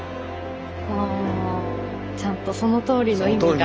ああちゃんとそのとおりの意味が。